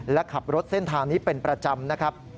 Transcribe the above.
และขับรถเส้นทางนี้เป็นประจำนะครับ